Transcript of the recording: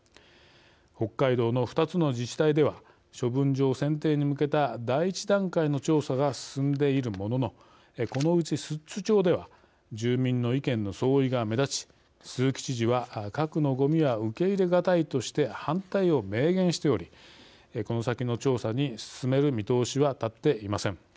北海道の２つの自治体では処分場選定に向けた第一段階の調査が進んでいるもののこのうち寿都町では住民の意見の相違が目立ち鈴木知事は核のごみは受け入れがたいとして反対を明言しておりこの先の調査に進める見通しはたっていません。